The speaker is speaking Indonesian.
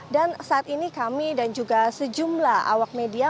dan saat ini kami dan juga sejumlah awak media